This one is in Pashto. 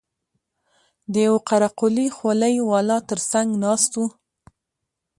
د يوه قره قلي خولۍ والا تر څنگ ناست و.